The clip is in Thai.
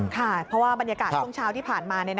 ค่ะเพราะว่าบรรยากาศช่วงเช้าที่ผ่านมา